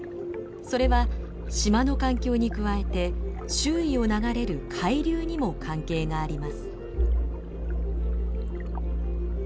それは島の環境に加えて周囲を流れる海流にも関係があります。